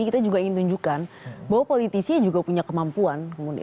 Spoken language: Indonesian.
kita juga ingin tunjukkan bahwa politisi juga punya kemampuan